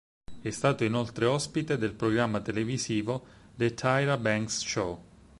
È stato inoltre ospite del programma televisivo "The Tyra Banks Show".